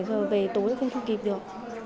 ngày tối không thu kịp được